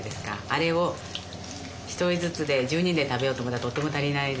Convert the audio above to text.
あれを１人ずつで１０人で食べようと思ったらとても足りないですよね。